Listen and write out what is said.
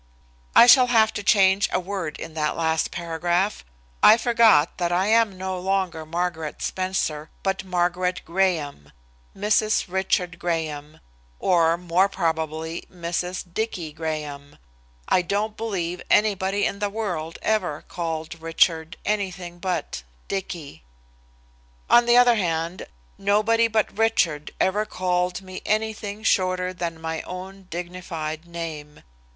I shall have to change a word in that last paragraph. I forgot that I am no longer Margaret Spencer, but Margaret Graham, Mrs. Richard Graham, or, more probably, Mrs. "Dicky" Graham. I don't believe anybody in the world ever called Richard anything but "Dicky." On the other hand, nobody but Richard ever called me anything shorter than my own dignified name.